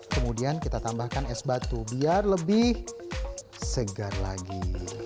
kemudian kita tambahkan es batu biar lebih segar lagi